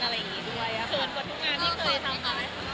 เผินปวดกับทุกงานที่เคยทำหรือยัง